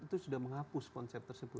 itu sudah menghapus konsep tersebut